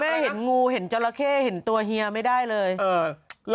แม่เห็นงูเห็นจอละเข้เห็นตัวเฮียไม่ได้เลยไม่ได้เลย